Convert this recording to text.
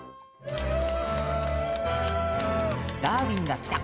「ダーウィンが来た！」。